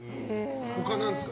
他は何ですか？